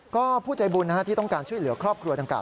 ก็ผู้ใจบุญที่ต้องการช่วยเหลือครอบครัวดังกล่า